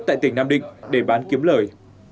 tại tỉnh nam định để bán kiếm lời